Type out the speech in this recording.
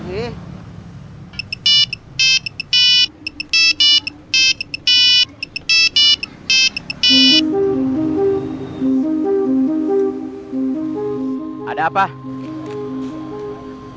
tidak ada yang tahu